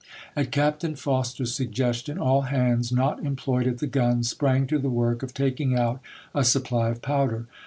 At Captain Foster's suggestion, all hands not employed at the guns sprang to the work of taking out a supply of powder.